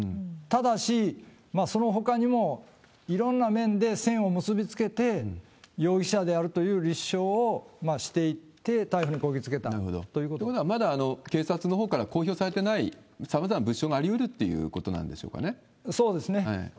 ただし、そのほかにもいろんな面で線を結び付けて、容疑者であるという立証をしていって、ということは、まだ警察のほうから公表されてない、さまざまな物証がありうるということなんそうですね。